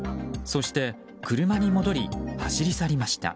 そして、車に戻り走り去りました。